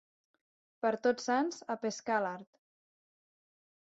Per Tots Sants, a pescar a l'art.